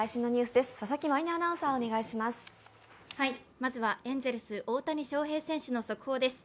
まずはエンゼルス大谷翔平選手の速報です。